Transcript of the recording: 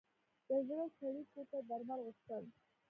د زړه څړیکو ته درمل غوښتل.